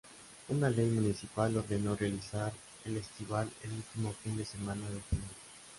Una ley municipal ordenó realizar el estival el último fin de semana de junio.